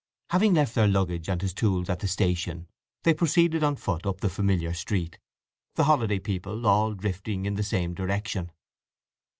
Having left their luggage and his tools at the station they proceeded on foot up the familiar street, the holiday people all drifting in the same direction.